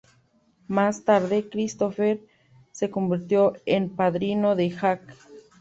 Más tarde, Cristopher se convirtió en padrino de Jake.